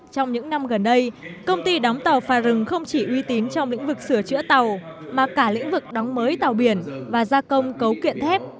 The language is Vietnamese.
trong những năm gần đây công ty đóng tàu pha rừng không chỉ uy tín trong lĩnh vực sửa chữa tàu mà cả lĩnh vực đóng mới tàu biển và gia công cấu kiện thép